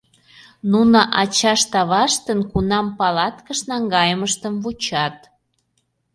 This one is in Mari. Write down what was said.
Нуно ачашт-аваштын кунам палаткыш наҥгайымыштым вучат.